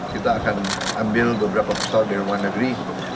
kita akan ambil beberapa pesawat di luar negeri